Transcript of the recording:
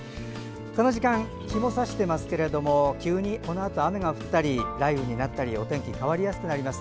この時間日も差していますけれども急にこのあと雨が降ったり雷雨になったりお天気変わりやすくなります。